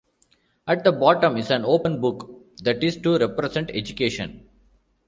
At the bottom is an open book that is to represent education.